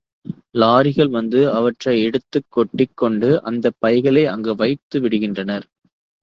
லாரிகளில் வந்து அவற்றை எடுத்துக் கொட்டிக்கொண்டு அந்தப் பைகளை அங்கு வைத்துவிடுகின்றனர்.